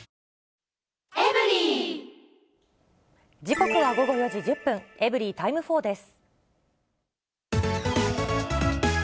時刻は午後４時１０分、エブリィタイム４です。